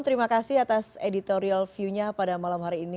terima kasih atas editorial viewnya pada malam hari ini